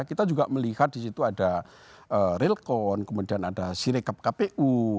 kita juga melihat di situ ada relkon kemudian ada sirikap kpu